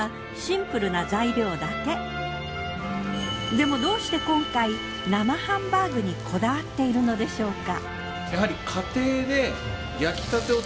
でもどうして今回生ハンバーグにこだわっているのでしょうか。